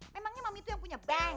memangnya mami tuh yang punya bank